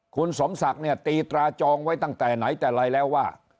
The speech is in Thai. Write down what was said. คุณสมศักดิ์เนี่ยตีตราจองไว้ตั้งแต่ไหนแต่ไรแล้วว่า